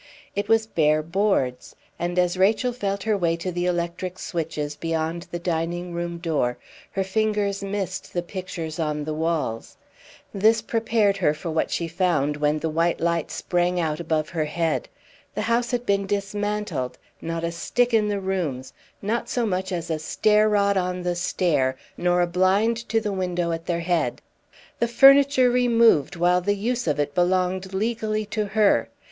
It was bare boards; and as Rachel felt her way to the electric switches, beyond the dining room door, her fingers missed the pictures on the walls. This prepared her for what she found when the white light sprang out above her head. The house had been dismantled; not a stick in the rooms, not so much as a stair rod on the stairs, nor a blind to the window at their head. The furniture removed while the use of it belonged legally to her!